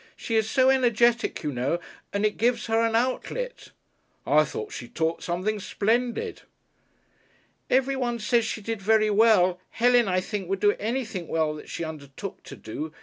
She is so energetic, you know, and it gives her an Outlet." "I thought she taught something splendid." "Everyone says she did very well. Helen, I think, would do anything well that she undertook to do.